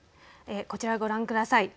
こちらご覧ください。